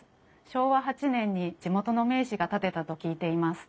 昭和８年に地元の名士が建てたと聞いています。